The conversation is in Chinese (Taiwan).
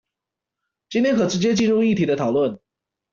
今天可直接進入議題的討論